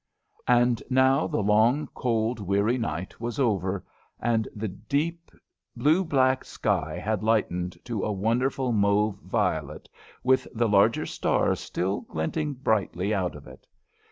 And now the long, cold, weary night was over, and the deep blue black sky had lightened to a wonderful mauve violet, with the larger stars still glinting brightly out of it.